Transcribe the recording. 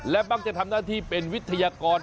และบ้างจะทำหน้าที่เป็นวิทยากร